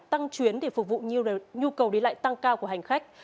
tăng chuyến để phục vụ nhiều nhu cầu để lại tăng cao của hành khách